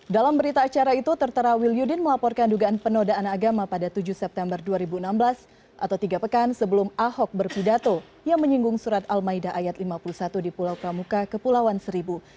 dalam berita acara itu tertera wil yudin melaporkan dugaan penodaan agama pada tujuh september dua ribu enam belas atau tiga pekan sebelum ahok berpidato yang menyinggung surat al maida ayat lima puluh satu di pulau pramuka kepulauan seribu